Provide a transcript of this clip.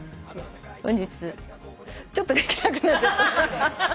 「本日」ちょっとできなくなっちゃった。